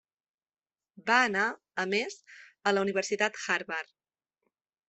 Va anar, a més, a la Universitat Harvard.